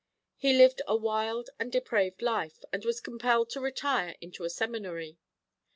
He lived a wild and depraved life, and was compelled to retire into a seminary.